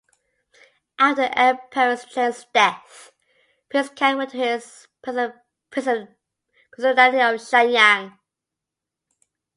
After Emperor Cheng's death, Prince Kang went to his Principality of Shanyang.